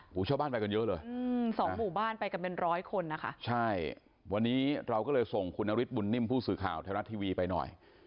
บูชาวบ้านไปกันเยอะเลยนะครับใช่วันนี้เราก็เลยส่งคุณนฤทธิ์บุญนิ่มผู้สื่อข่าวแทนรัฐทีวีไปหน่อย